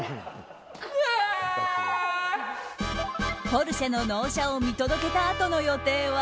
ポルシェの納車を見届けたあとの予定は。